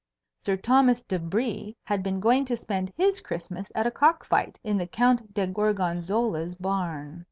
Sir Thomas de Brie had been going to spend his Christmas at a cock fight in the Count de Gorgonzola's barn.